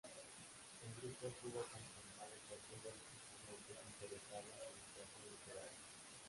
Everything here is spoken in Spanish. El grupo estuvo conformado por todos los estudiantes interesados en la creación literaria.